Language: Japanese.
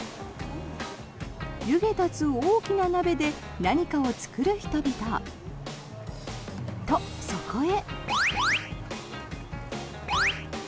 湯気立つ大きな鍋で何かを作る人々。と、そこへ。